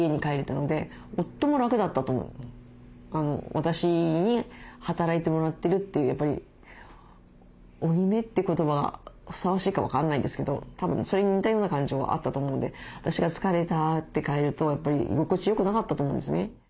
私に働いてもらってるというやっぱり「負い目」って言葉ふさわしいか分かんないですけどたぶんそれに似たような感情はあったと思うので私が「疲れた」って帰るとやっぱり居心地よくなかったと思うんですね。